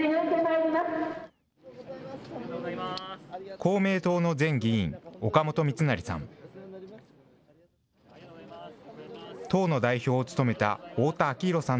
公明党の前議員、岡本三成さん。